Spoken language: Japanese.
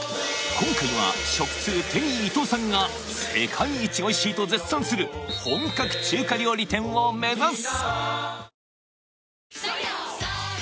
今回は食通テリー伊藤さんが世界一おいしいと絶賛する本格中華料理店を目指す！